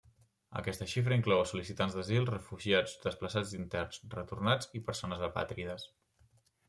Aquesta xifra inclou a sol·licitants d'asil, refugiats, desplaçats interns, retornats i persones apàtrides.